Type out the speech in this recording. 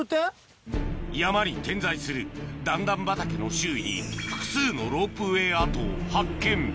山に点在する段々畑の周囲に複数のロープウエー跡を発見